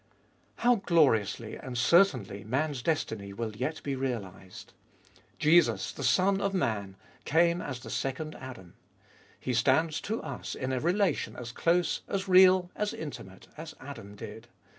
How gloriously and certainly man's destiny will yet be realised ! Jesus, the Son of Man, came as the Second Adam. He stands to us in a relation as close, as real, as intimate, as Adam did.